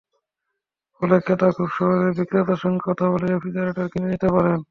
ফলে ক্রেতা খুব সহজেই বিক্রেতার সঙ্গে কথা বলে রেফ্রিজারেটর কিনে নিতে পারেন।